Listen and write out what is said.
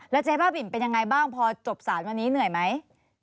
เจ๊บ้าบินเป็นยังไงบ้างพอจบสารวันนี้เหนื่อยไหม